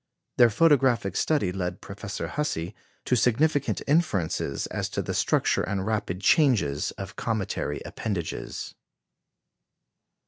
Their photographic study led Professor Hussey to significant inferences as to the structure and rapid changes of cometary appendages.